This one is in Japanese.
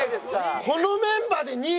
このメンバーで２位！？